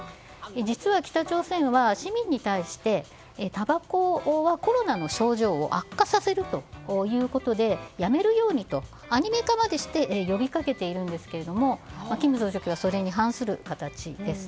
実は北朝鮮は市民に対してたばこはコロナの症状を悪化させるということでやめるようにとアニメ化までして呼びかけているんですけれども金総書記はそれに反する形です。